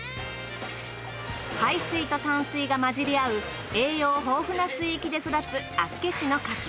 海水と淡水が混じりあう栄養豊富な水域で育つ厚岸の牡蠣。